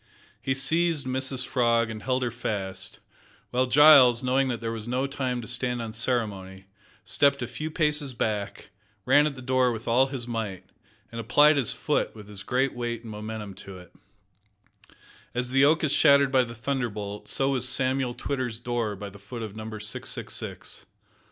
He seized Mrs Frog and held her fast, while Giles, knowing that there was no time to stand on ceremony, stepped a few paces back, ran at the door with all his might, and applied his foot with his great weight and momentum to it. As the oak is shattered by the thunderbolt, so was Samuel Twitter's door by the foot of Number 666.